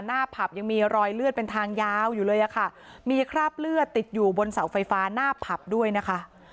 ผับยังมีรอยเลือดเป็นทางยาวอยู่เลยอะค่ะมีคราบเลือดติดอยู่บนเสาไฟฟ้าหน้าผับด้วยนะคะ